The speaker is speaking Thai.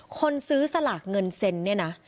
คนซื้อสลากเงินเซ็นเนี่ยนะ